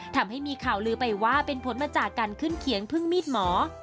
ทำให้มีข่าวลือไปว่าเป็นผลมาจากการขึ้นเขียงพึ่งมีดหมอ